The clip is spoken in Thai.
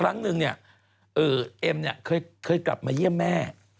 แต่หนูไม่รู้เขาอยู่ที่ไหน